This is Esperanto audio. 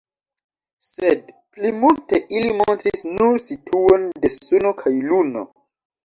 Sed plimulte ili montris nur situon de Suno kaj Luno.